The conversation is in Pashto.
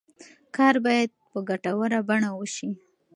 کار باید په ګټوره بڼه وشي.